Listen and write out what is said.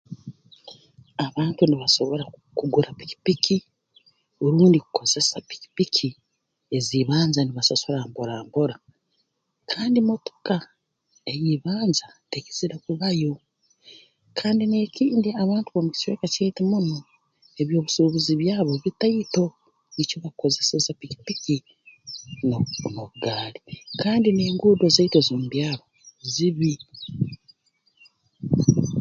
Abantu nibasobora kugura pikipiki rundi kukozesa pikipiki ez'ibanja nibasasura mpora mpora kandi motoka ey'ibanja tekizire kubayo kandi n'ekindi abantu b'omu kicweka kyaitu munu eby'obusuubuzi byabo bitaito nikyo bakukozeseza pikipiki n'obu n'obugaali kandi n'enguudo zaitu ez'omu byaro zibi